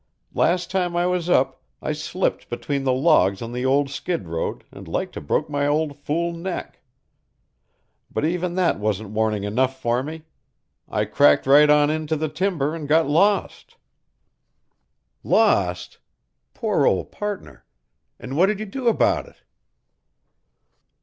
Last time I was up, I slipped between the logs on the old skid road and like to broke my old fool neck. But even that wasn't warning enough for me. I cracked right on into the timber and got lost." "Lost? Poor old partner! And what did you do about it?"